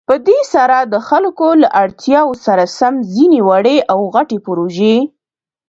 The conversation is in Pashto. په دې سره د خلكو له اړتياوو سره سم ځينې وړې او غټې پروژې